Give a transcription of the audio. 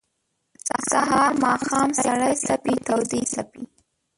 سهار ، ماښام سړې څپې تودي څپې